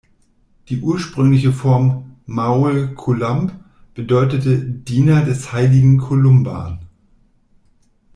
Die ursprüngliche Form "maol-Columb" bedeutet „Diener des heiligen Columban“.